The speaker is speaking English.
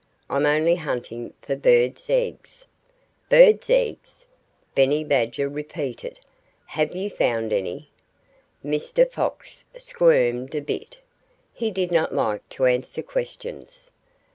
"I'm only hunting for birds' eggs." "Birds' eggs!" Benny Badger repeated. "Have you found any?" Mr. Fox squirmed a bit. He did not like to answer questions.